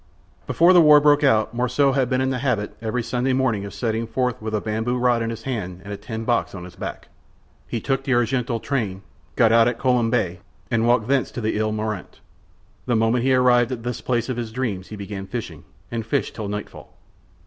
Before the war broke out Morissot had been in the habit, every Sunday morning, of setting forth with a bamboo rod in his hand and a tin box on his back. He took the Argenteuil train, got out at Colombes, and walked thence to the Ile Marante. The moment he arrived at this place of his dreams he began fishing, and fished till nightfall.